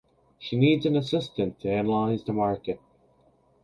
She needs an assistant to analyze the market.